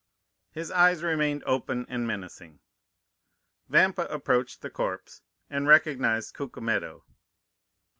His eyes remained open and menacing. Vampa approached the corpse, and recognized Cucumetto.